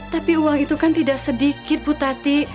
tapi uang itu kan tidak sedikit bu tati